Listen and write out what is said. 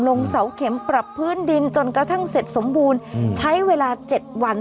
เสาเข็มปรับพื้นดินจนกระทั่งเสร็จสมบูรณ์ใช้เวลา๗วัน